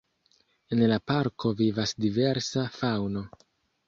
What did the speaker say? En la parko vivas diversa faŭno.